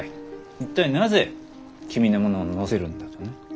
一体なぜ君のものを載せるんだとね。